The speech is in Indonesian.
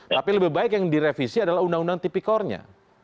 tapi lebih baik yang direvisi adalah undang undang tipikornya